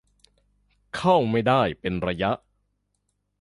เข้าไม่ได้เป็นระยะ